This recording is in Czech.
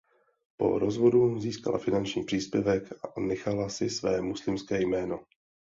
Po rozvodu získala finanční příspěvek a nechala si své muslimské jméno.